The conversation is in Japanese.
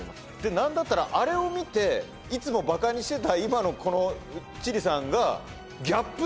何だったらあれを見ていつもばかにしてた今のこの千里さんが。